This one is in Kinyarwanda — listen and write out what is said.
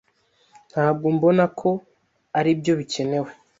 Ntabwo mbona ko aribyo bikenewe.